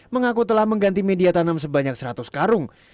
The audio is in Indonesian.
mengaku telah mengganti media tanam sebanyak seratus karung